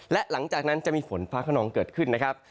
และหลังจากนั้นจะมีฝนฟ้าขนองเกิดขึ้นนะครับ